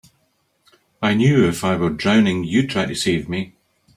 I knew if I were drowning you'd try to save me.